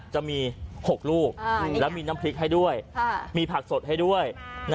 จะมี๖ลูกแล้วมีน้ำพริกให้ด้วยมีผักสดให้ด้วย